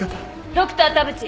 ドクター田淵。